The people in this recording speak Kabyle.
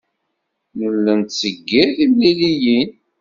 Nella nettseggir timliliyin.